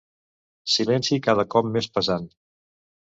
Silenci cada cop més pesant.